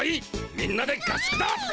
みんなで合宿だ。